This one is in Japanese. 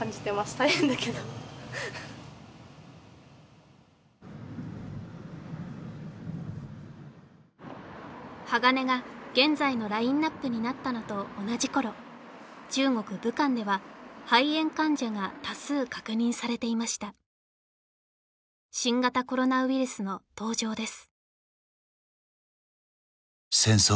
大変だけどＨＡＧＡＮＥが現在のラインナップになったのと同じ頃中国・武漢では肺炎患者が多数確認されていましたの登場です